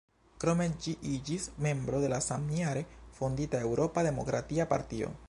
Krome ĝi iĝis membro de la samjare fondita Eŭropa Demokratia Partio.